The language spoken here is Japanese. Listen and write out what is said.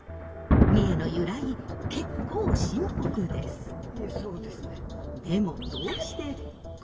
三重の由来結構深刻です。